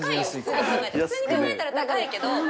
普通に考えたら高いけど。